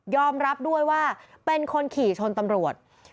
รับด้วยว่าเป็นคนขี่ชนตำรวจ